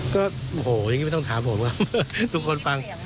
ก็โอ้ยังงี้ไม่ต้องถามผมครับ